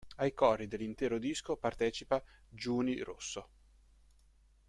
Ai cori dell'intero disco partecipa Giuni Russo.